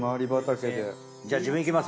じゃ自分いきますよ。